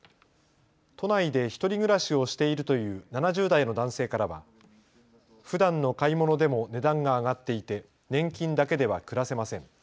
都内で一人暮らしをしているという７０代の男性からは普段の買い物でも値段が上がっていて年金だけでは暮らせません。